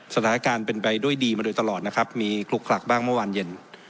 สถานการณ์เป็นไปด้วยดีมาโดยตลอดนะครับมีคลุกคลักบ้างเมื่อวานเย็น